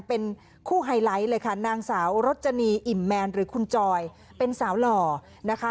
เป็นคู่ไฮไลท์เลยค่ะนางสาวรจนีอิ่มแมนหรือคุณจอยเป็นสาวหล่อนะคะ